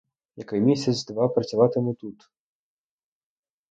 Якийсь місяць, два працюватиму тут.